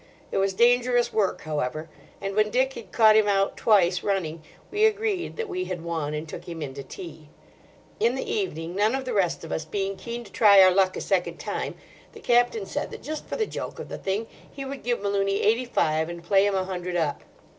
It was dangerous work, however, and when Dick had caught him out twice running, we agreed that we had won, and took him in to tea. In the evening—none of the rest of us being keen to try our luck a second time—the Captain said, that just for the joke of the thing he would give Malooney eighty five and play him a hundred up.